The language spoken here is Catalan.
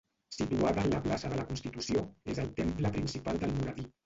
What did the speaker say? Situada en la plaça de la Constitució, és el temple principal d'Almoradí.